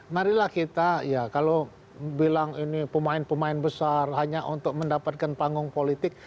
marilah kita ya kalau bilang ini pemain pemain besar hanya untuk mendapatkan panggung politik